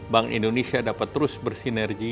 bank indonesia dapat terus bersinergi